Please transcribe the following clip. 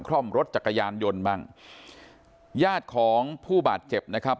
ล่อมรถจักรยานยนต์บ้างญาติของผู้บาดเจ็บนะครับ